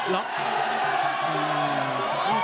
ล็อก